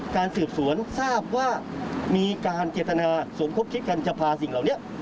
การสืบสวนทราบว่ามีการเจตนาสมคบคิดกันจะพาสิ่งเหล่านี้